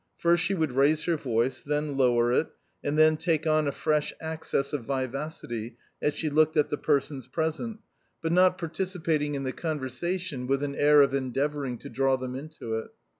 First she would raise her voice, then lower it and then take on a fresh access of vivacity as she looked at the persons present, but not participating in the conversation, with an air of endeavouring to draw them into it.